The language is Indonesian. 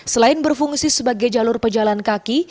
selain berfungsi sebagai jalur pejalan kaki